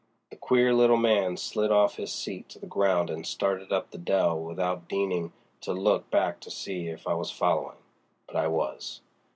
The queer little man slid off his seat to the ground and started up the dell without deigning to look back to see if I was following. But I was.